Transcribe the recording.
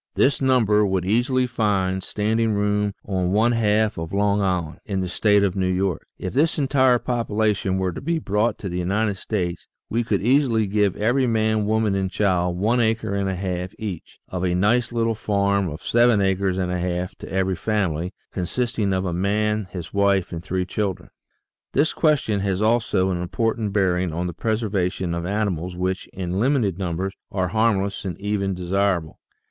This number would easily find standing room on one half of Long Island, in the State of New York. If this entire population were to be brought to the United States, we could easily give every man, woman, and child, one acre and a half each, or a nice little farm of seven acres and a half to every family, consisting of a man, his wife, and three children. This question has also an important bearing on the preservation of animals which, in limited numbers, are harm less and even desirable.